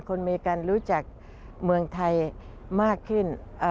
อเมริกันรู้จักเมืองไทยมากขึ้น